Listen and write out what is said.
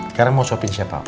sekarang mau sopin siapa